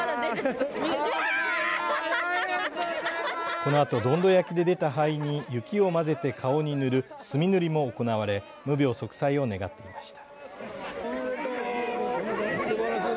このあと、どんど焼きで出た灰に雪を混ぜて顔に塗るすみ塗りも行われ無病息災を願っていました。